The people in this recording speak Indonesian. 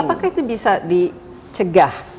apakah itu bisa dicegah